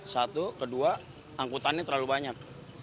satu kedua angkutannya terlalu banyak